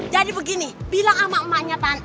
jadi begini bilang ama emanya tante